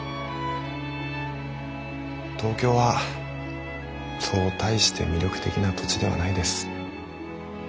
東京はそう大して魅力的な土地ではないです。